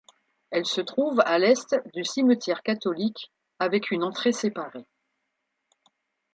Elle se trouve à l’est du cimetière catholique avec une entrée séparée.